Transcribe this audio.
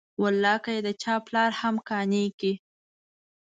والله که یې د چا پلار هم قانع کړي.